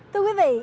thưa quý vị